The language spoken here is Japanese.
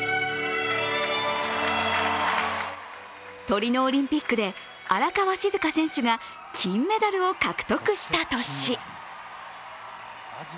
トリノオリンピックで荒川静香選手が金メダルを獲得した年。